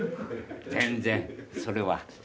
全然それはうん。